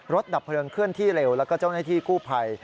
ดับเพลิงเคลื่อนที่เร็วแล้วก็เจ้าหน้าที่กู้ภัย